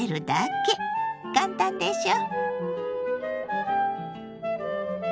簡単でしょ！